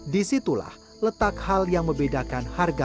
disitulah letak hal yang membedakan harga